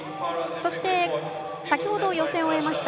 そして先ほど予選を終えました